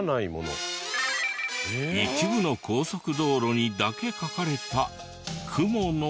一部の高速道路にだけ書かれた「雲」の文字。